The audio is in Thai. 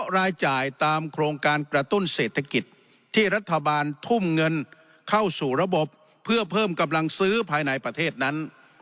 รายจ่ายตามโครงการกระตุ้นเศรษฐกิจที่รัฐบาลทุ่มเงินเข้าสู่ระบบเพื่อเพิ่มกำลังซื้อภายในประเทศนั้น